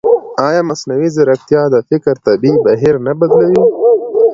ایا مصنوعي ځیرکتیا د فکر طبیعي بهیر نه بدلوي؟